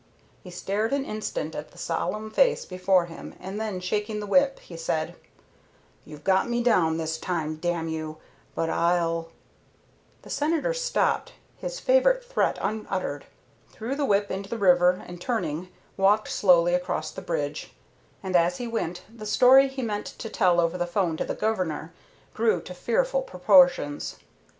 He stared an instant at the solemn face before him and then shaking the whip he said, "You've got me down this time, damn you, but I'll " The Senator stopped, his favorite threat unuttered, threw the whip into the river and turning, walked slowly across the bridge, and as he went the story he meant to tell over the 'phone to the Governor grew to fearful proportions.